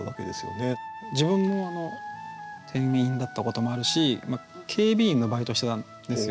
自分も店員だったこともあるし警備員のバイトしてたんですよ。